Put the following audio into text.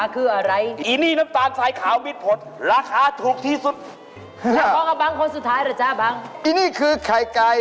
โค้งต่วยค่ะแล้วของจะเป็นราคาคืออะไร